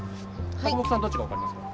木さんどっちか分かりますか？